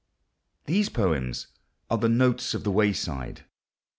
These poems are the notes of the wayside.